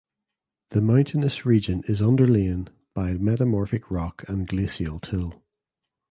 The mountainous region is underlain by metamorphic rock and glacial till.